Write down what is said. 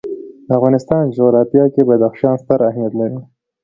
د افغانستان جغرافیه کې بدخشان ستر اهمیت لري.